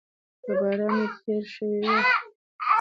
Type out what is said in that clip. که باران پیل شوی وای نو ټول خلک به خپلو کورونو ته تللي وای.